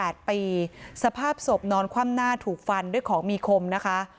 นางจิตบับพานอายุหกสิบแปดปีสภาพศพนอนคว่ำหน้าถูกฟันด้วยของมีคมนะคะ